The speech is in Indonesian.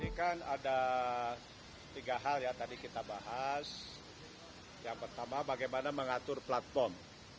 yang pertama bagaimana mengatur platform